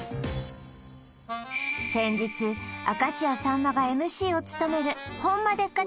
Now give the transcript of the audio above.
先日明石家さんまがＭＣを務める「ホンマでっか！？